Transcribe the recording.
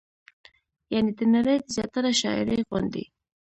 يعنې د نړۍ د زياتره شاعرۍ غوندې